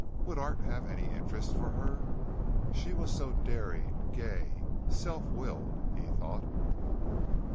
Would art have any interest for her? She was so daring, gay, self willed, he thought.